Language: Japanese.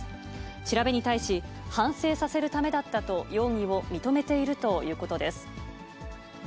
調べに対し、反省させるためだったと、容疑を認めているということです。